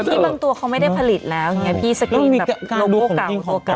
ที่บางตัวเขาไม่ได้ผลิตแล้วพี่สกรีนแบบโลโก้เก่า